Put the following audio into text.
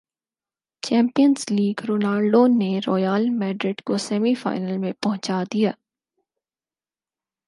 champions league Ronaldo نے Real Madrid کوسیمی final میں پہنچادیا